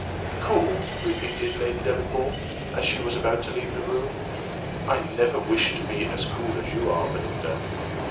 "Cool!" repeated Lady Delacour, as she was about to leave the room, "I never wish to be as cool as you are, Belinda!